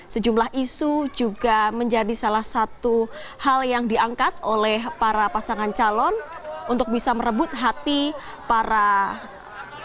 sejumlah isu juga menjadi salah satu hal yang diangkat oleh para pasangan calon untuk bisa merebut hati para pemilih